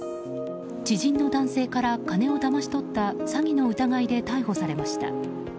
知人の男性から金をだまし取った詐欺の疑いで逮捕されました。